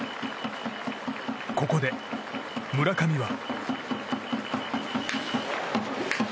ここで村上は。